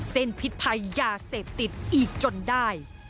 เส้นผิดภัยยาเสพติดอีกจนได้